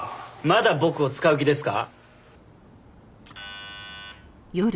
まだ僕を使う気ですか？